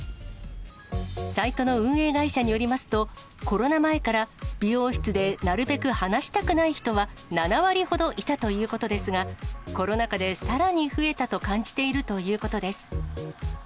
サイトの運営会社によりますと、コロナ前から美容室でなるべく話したくない人は７割ほどいたということですが、コロナ禍でさらに増えたと感じているということです。